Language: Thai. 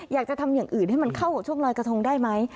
อยากจะทำอย่างอื่นให้มันเข้ากับช่วงลอยกระทงได้ไหม